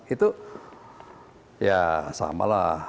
itu ya samalah